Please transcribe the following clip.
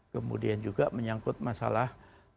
kemudian juga menyangkut masalah